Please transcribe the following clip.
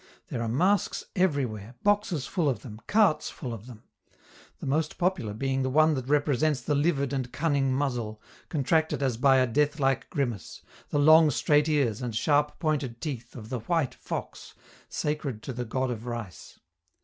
There are masks everywhere, boxes full of them, carts full of them; the most popular being the one that represents the livid and cunning muzzle, contracted as by a deathlike grimace, the long straight ears and sharp pointed teeth of the white fox, sacred to the God of Rice.